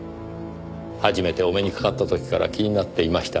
初めてお目にかかった時から気になっていました。